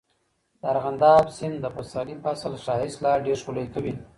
د ارغنداب سیند د پسرلي فصل ښایست لا ډېر ښکلی کوي.